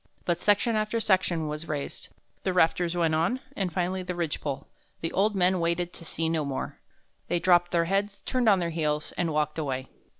But section after section was raised. The rafters went on, and finally the ridge pole. The old men waited to see no more. They dropped their heads, turned on their heels, and walked away."